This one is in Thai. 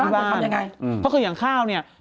เพราะคืออย่างข้าวเนี่ย